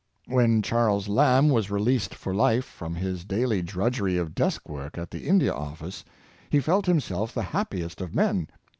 When Charles Lamb was released for life from his daily drudgery of desk work at the India Office, he felt himself the happiest of men.